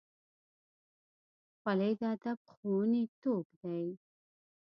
خولۍ د ادب ښوونې توک دی.